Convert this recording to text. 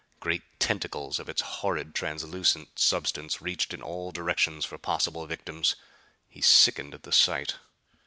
Great tentacles of its horrid translucent substance reached in all directions for possible victims. He sickened at the sight.